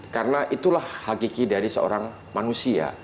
karena itulah hakiki dari seorang manusia